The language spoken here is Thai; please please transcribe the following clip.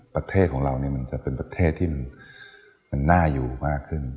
ประเทศของเราเนี่ยมันจะเป็นประเทศที่มันน่าอยู่มากขึ้น